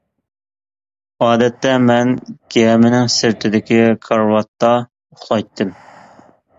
ئادەتتە مەن گەمىنىڭ سىرتىدىكى كارىۋاتتا ئۇخلايتتىم.